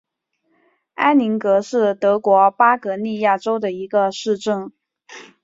埃林格是德国巴伐利亚州的一个市镇。